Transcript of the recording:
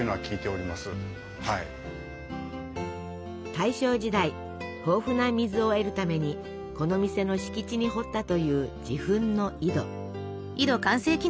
大正時代豊富な水を得るためにこの店の敷地に掘ったという自噴の井戸。